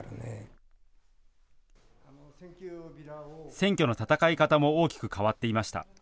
選挙の戦い方も大きく変わっていました。